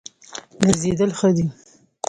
ګرځېدل ښه دی.